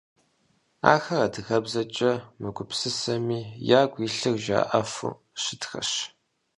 Ахэр адыгэбзэкӏэ мыгупсысэми, ягу илъыр жаӏэфу щытхэщ.